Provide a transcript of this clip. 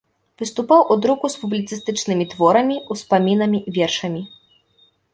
Выступаў у друку з публіцыстычнымі творамі, успамінамі, вершамі.